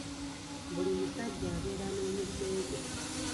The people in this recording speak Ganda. Buli musajja abeera n'omuze gwe.